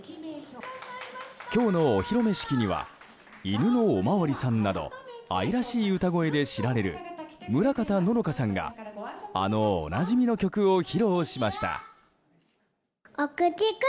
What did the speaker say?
今日のお披露目式には「いぬのおまわりさん」など愛らしい歌声で知られる村方乃々佳さんがあの、おなじみの曲を披露しました。